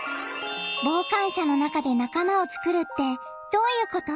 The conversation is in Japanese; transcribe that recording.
傍観者の中で仲間を作るってどういうこと？